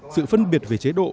sự phân biệt về chế độ